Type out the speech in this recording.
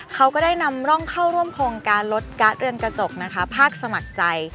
เขาก็ได้นำร่องเข้าร่วมโครงการลดการ์ดเรือนกระจกนะคะภาคสมัครใจ